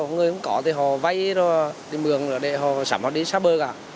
người không có thì họ vay rồi thì mượn rồi để họ sắm họ đi xa bờ cả